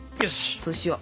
そうしよう！